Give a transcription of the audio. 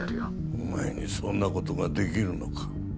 お前にそんなことができるのか？